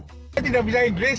saya tidak bisa inggris